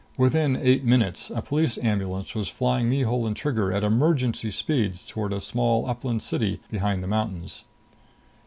Within eight minutes, a police ambulance was flying Mihul and Trigger at emergency speeds towards a small Uplands City behind the mountains.